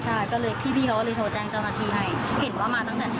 ใช่ก็เลยพี่เขาก็เลยโทรแจ้งเจ้าหน้าที่ให้